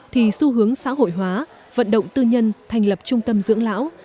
thì xu hướng xã hội hóa vận động tư nhân thành lập trung tâm dưỡng lão